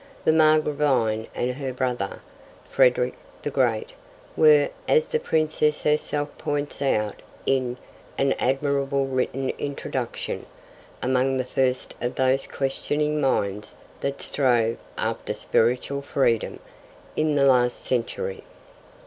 The Margravine and her brother, Frederick the Great, were, as the Princess herself points out in an admirably written introduction, 'among the first of those questioning minds that strove after spiritual freedom' in the last century.